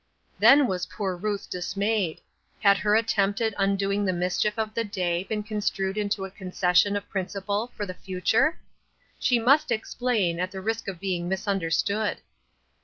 Then was poor Ruth dismayed. Had her at tempt at undoing the mischief of the day been construed into a concession of principle for the future ? She must explain, at the risk of being misunderstood.